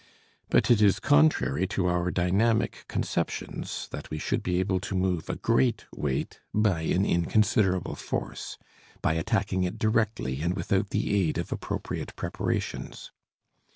But it is contrary to our dynamic conceptions that we should be able to move a great weight by an inconsiderable force, by attacking it directly and without the aid of appropriate preparations.